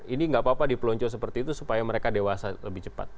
ini nggak apa apa dipelonco seperti itu supaya mereka dewasa lebih cepat